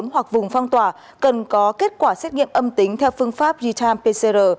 hoặc vùng phong tỏa cần có kết quả xét nghiệm âm tính theo phương pháp gham pcr